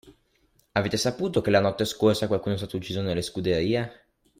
Avete saputo che la notte scorsa qualcuno è stato ucciso nelle scuderie?